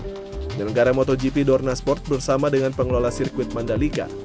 penyelenggara motogp dorna sport bersama dengan pengelola sirkuit mandalika